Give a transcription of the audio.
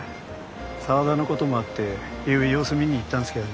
沢田のこともあってゆうべ様子見に行ったんですけど